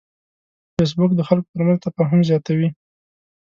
فېسبوک د خلکو ترمنځ تفاهم زیاتوي